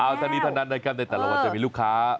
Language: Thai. เอาเท่านี้เท่านั้นนะครับในแต่ละวันจะมีลูกค้า